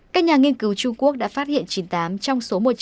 các nhà nghiên cứu trung quốc đã phát hiện chín mươi tám trong số một trăm linh